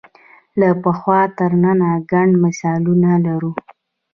له پخوا تر ننه ګڼ مثالونه لرو